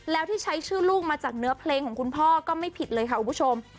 แล้วที่ใช้ชื่อลูกมาจากเนื้อเพลงของคุณพ่อก็ไม่ผิดเลยค่ะคุณผู้ชม